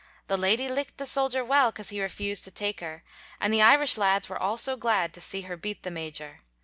The lady licked the soldier well, Cause he refused to take her, And the Irish lads were all so glad, To see her beat the Major.